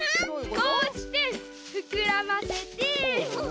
こうしてふくらませて。